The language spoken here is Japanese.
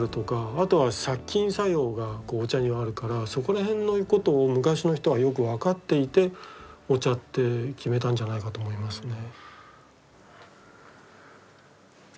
あとは殺菌作用がお茶にはあるからそこらへんのことを昔の人はよく分かっていてお茶って決めたんじゃないかと思いますね。